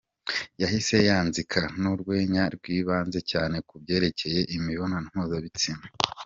Yahise yanzika n’urwenya rwibanze cyane ku byerekeye imibonano mpuzabitsina.